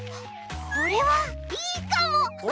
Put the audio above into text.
これはいいかも！